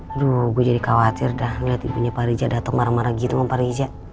aduh gue jadi khawatir dah ngeliat ibunya pak rija datang marah marah gitu pak riza